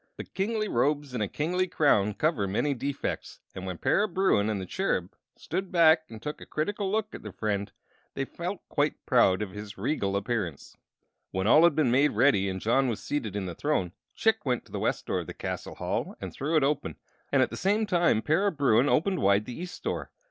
But kingly robes and a kingly crown cover many defects, and when Para Bruin and the Cherub stood back and took a critical look at their friend they felt quite proud of his regal appearance. When all had been made ready and John was seated in the throne, Chick went to the west door of the castle hall and threw it open, and at the same time Para Bruin opened wide the east door.